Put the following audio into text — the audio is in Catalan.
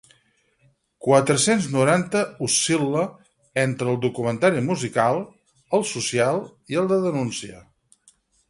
Quatre-cents noranta oscil·la entre el documentari musical, el social i el de denúncia.